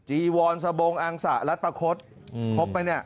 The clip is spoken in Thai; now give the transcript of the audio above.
จีวอนสบงอังสะรัฐประคดครบไหมเนี่ย